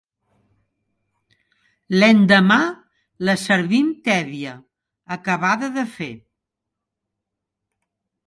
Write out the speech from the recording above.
L'endemà la servim tèbia, acabada de fer.